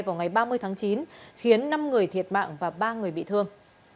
vào ngày ba mươi tháng chín khiến năm người thiệt mạng và ba người bị thương